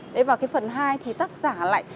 đấy và cái phần hai thì tác giả lại